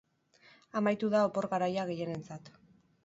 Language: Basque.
Amaitu da opor garaia gehienentzat.